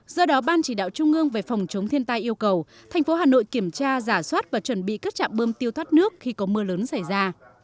do đó ban chỉ đạo trung ương về phòng chống thiên tai yêu cầu thành phố hà nội kiểm tra giả soát và chuẩn bị các trạm bơm tiêu thoát nước khi có mưa lớn xảy ra